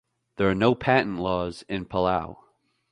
There are no Patent Laws in Palau.